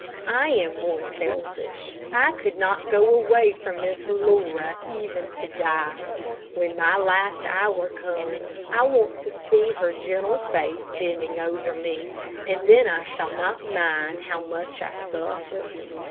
I am more selfish. I could not go away from Miss Laura even to die. When my last hour comes, I want to see her gentle face bending over me, and then I shall not mind how much I suffer.